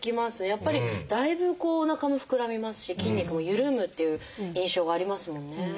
やっぱりだいぶこうおなかもふくらみますし筋肉も緩むという印象がありますもんね。